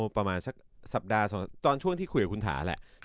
ประมาณสักสัปดาห์ตอนช่วงที่คุยกับคุณถาแหละ